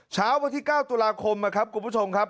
เช้าวันที่๙ตุลาคมนะครับคุณผู้ชมครับ